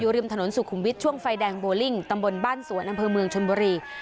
ริมถนนสุขุมวิทย์ช่วงไฟแดงโบลิ่งตำบลบ้านสวนอำเภอเมืองชนบุรี